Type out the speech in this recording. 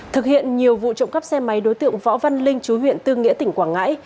thực hiện nhiều vụ trộm cắp xe máy đối tượng võ văn linh chú huyện tư nghĩa tỉnh quảng ngãi